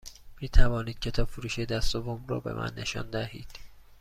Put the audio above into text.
می توانید کتاب فروشی دست دوم رو به من نشان دهید؟